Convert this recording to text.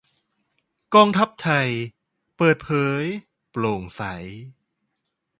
กองทัพไทย เปิดเผย โปร่งใส